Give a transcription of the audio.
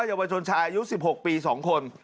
เยาวชนชายอายุ๑๖ปี๒คน